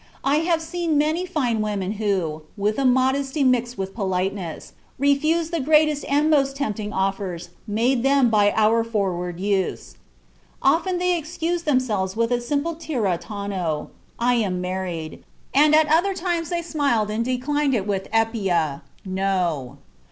I have seen many fine women who, with a modesty mixed with politeness, refuse the greatest and most tempting offers made them by our forward youths; often they excuse themselves with a simple tirra tano, 'I am married,' and at other times they smiled and declined it with epia, 'no.'